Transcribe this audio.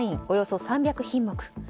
およそ３００品目